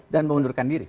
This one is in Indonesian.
dan mengundurkan diri